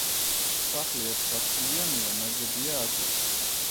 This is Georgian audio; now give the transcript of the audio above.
სახლი ერთსართულიანია ნაგებია აგურით.